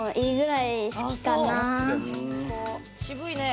渋いね。